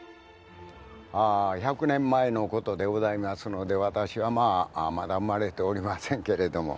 １００年前のことでございますので私はまだ生まれておりませんけれども。